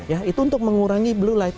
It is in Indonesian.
ya itu untuk mengurangi blue light